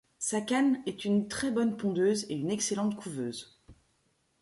Sa cane est une très bonne pondeuse et une excellente couveuse.